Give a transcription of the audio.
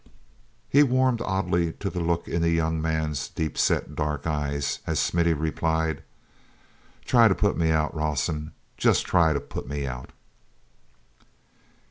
He warmed oddly to the look in the younger man's deep set, dark eyes, as Smithy replied: "Try to put me out, Rawson—just try to put me out!"